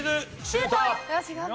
シュート！